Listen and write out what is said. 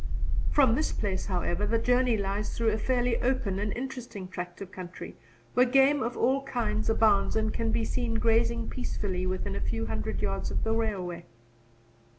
From this place, however, the journey lies through a fairly open and interesting tract of country, where game of all kinds abounds and can be seen grazing peacefully within a few hundred yards of the railway.